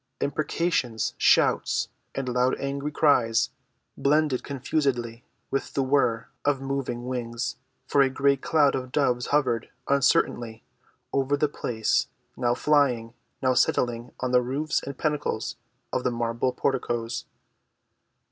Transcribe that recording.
Imprecations, shouts, and loud angry cries blended confusedly with the whir of moving wings, for a great cloud of doves hovered uncertainly over the place, now flying, now settling on the roofs and pinnacles of the marble porticoes.